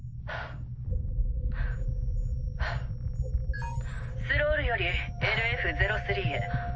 ピコンスロールよりＬＦ−０３へ。